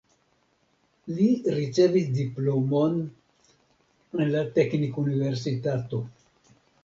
Li ricevis diplomon en la teknikuniversitato.